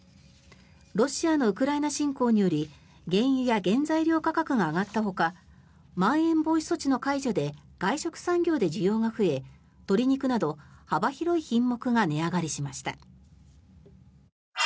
ロシアのウクライナ侵攻により原油や原材料価格が上がったほかまん延防止措置の解除で外食産業で需要が増え鶏肉など幅広い品目が値上がりしました。